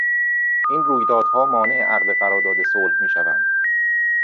این رویدادها مانع عقد قرار داد صلح میشوند.